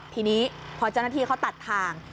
ทีนี้พอเจ้าหน้าที่เขาตัดทาง